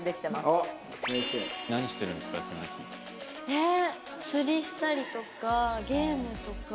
えっ釣りしたりとかゲームとか。